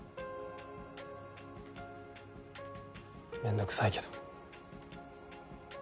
面倒くさいけど。